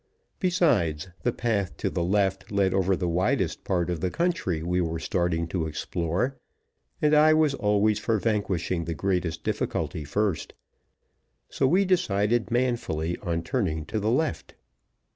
Besides, the path to the left led over the widest part of the country we were starting to explore, and I was always for vanquishing the greatest difficulty first; so we decided manfully on turning to the left.